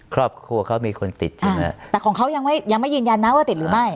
ครอบครัวเขามีคนติดใช่ไหมแต่ของเขายังไม่ยังไม่ยืนยันนะว่าติดหรือไม่